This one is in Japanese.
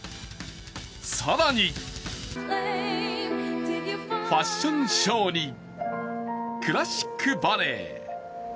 更に、ファッションショーにクラシックバレエ。